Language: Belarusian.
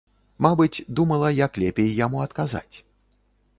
Мабыць, думала, як лепей яму адказаць.